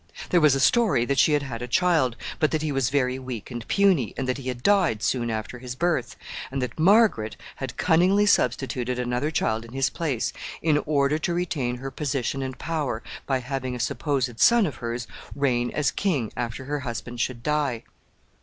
There was a story that she had had a child, but that he was very weak and puny, and that he had died soon after his birth, and that Margaret had cunningly substituted another child in his place, in order to retain her position and power by having a supposed son of hers reign as king after her husband should die.